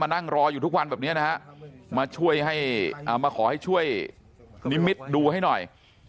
นั่งรออยู่ทุกวันแบบนี้นะฮะมาช่วยให้มาขอให้ช่วยนิมิตดูให้หน่อย